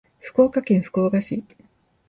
福岡県福岡市